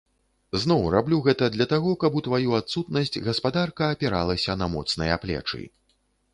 Зноў раблю гэта для таго, каб у тваю адсутнасць гаспадарка апіралася на моцныя плечы.